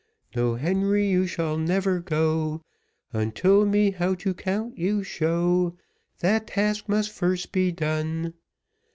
"No, Henry, you shall never go Until me how to count you show; That task must first be done."